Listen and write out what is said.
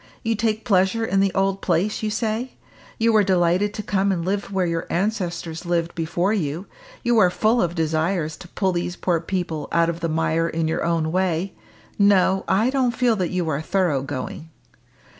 You take pleasure in the old place, you say; you were delighted to come and live where your ancestors lived before you; you are full of desires to pull these poor people out of the mire in your own way. No! I don't feel that you are thorough going!"